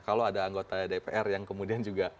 kalau ada anggota dpr yang kemudian juga